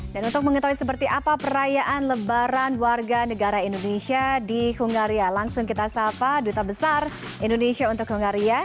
dan untuk mengetahui seperti apa perayaan lebaran warga negara indonesia di hungaria langsung kita sapa duta besar indonesia untuk hungaria